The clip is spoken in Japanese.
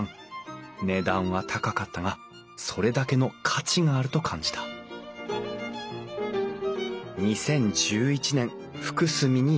値段は高かったがそれだけの価値があると感じた２０１１年福住に移住。